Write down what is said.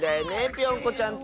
ぴょんこちゃんって。